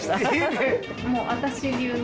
もう私流の。